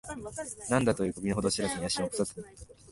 何だとかいう身の程知らずな野心を起こさずに、